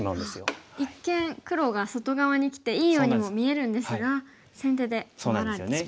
一見黒が外側にきていいようにも見えるんですが先手で回られてしまうんですね。